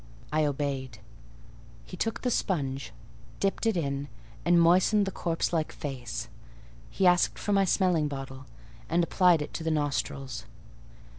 I obeyed. He took the sponge, dipped it in, and moistened the corpse like face; he asked for my smelling bottle, and applied it to the nostrils.